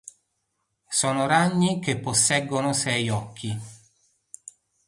Sono ragni che posseggono sei occhi.